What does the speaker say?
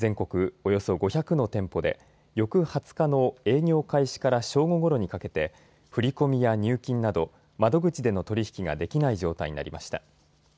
およそ５００の店舗で翌２０日の営業開始から正午ごろにかけて振り込みや入金など窓口での取り引きができない状態になりました。